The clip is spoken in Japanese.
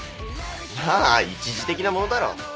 まあ一時的なものだろ。